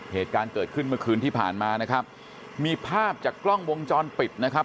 เหตุการณ์เกิดขึ้นเมื่อคืนที่ผ่านมานะครับมีภาพจากกล้องวงจรปิดนะครับ